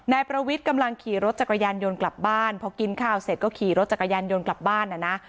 นายประวิทย์กำลังขี่รถจักรยานยนต์กลับบ้านพอกินข้าวเสร็จก็ขี่รถจักรยานยนต์กลับบ้านนะนะ